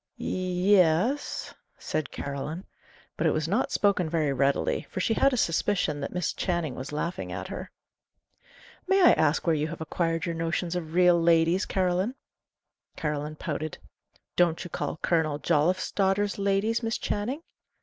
"Y es," said Caroline. But it was not spoken very readily, for she had a suspicion that Miss Channing was laughing at her. "May I ask where you have acquired your notions of 'real ladies,' Caroline?" Caroline pouted. "Don't you call Colonel Jolliffe's daughters ladies, Miss Channing?"